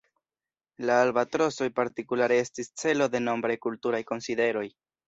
La albatrosoj partikulare estis celo de nombraj kulturaj konsideroj.